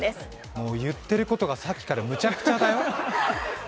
もう言っていることがさっきからむちゃくちゃだよ。